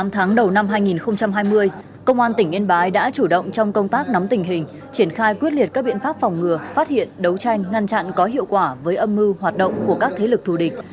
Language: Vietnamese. năm tháng đầu năm hai nghìn hai mươi công an tỉnh yên bái đã chủ động trong công tác nắm tình hình triển khai quyết liệt các biện pháp phòng ngừa phát hiện đấu tranh ngăn chặn có hiệu quả với âm mưu hoạt động của các thế lực thù địch